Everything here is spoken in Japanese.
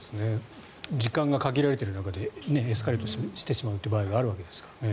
時間が限られてる中でエスカレートしてしまう場合があるわけですからね。